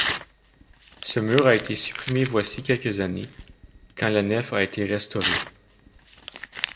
Ce mur a été supprimé voici quelques années, quand la nef a été restaurée.